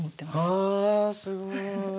ああすごい。